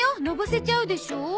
のぼせちゃうでしょ。